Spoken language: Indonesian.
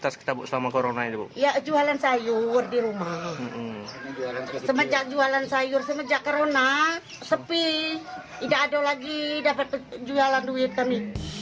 semenjak jualan sayur semenjak corona sepi tidak ada lagi dapat jualan duit kami